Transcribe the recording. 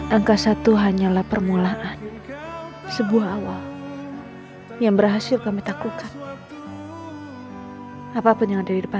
angka satu hanyalah permulaan sebuah awal yang berhasil kami takutkan apapun yang ada di depan